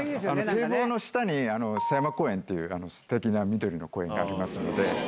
堤防の下に狭山公園っていうステキな緑の公園がありますので。